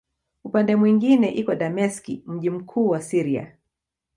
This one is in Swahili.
Upande mwingine iko Dameski, mji mkuu wa Syria.